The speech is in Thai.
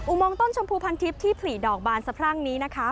มองต้นชมพูพันทิพย์ที่ผลิดอกบานสะพรั่งนี้นะคะ